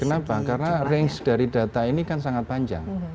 kenapa karena range dari data ini kan sangat panjang